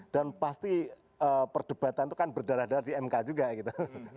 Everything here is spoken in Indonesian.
dan pasti perdebatan itu kan berdarah darah di mk juga gitu